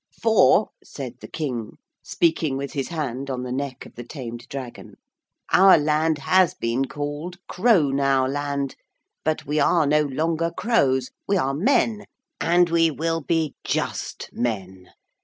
'For,' said the King, speaking with his hand on the neck of the tamed dragon, 'our land has been called Crownowland. But we are no longer crows. We are men: and we will be Just men.